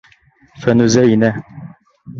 Фәнүзә инә.